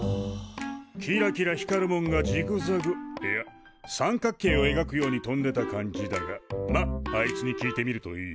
キラキラ光るもんがジグザグいや三角形をえがくように飛んでた感じだがまっあいつに聞いてみるといい。